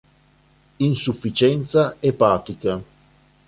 Insufficienza epatica.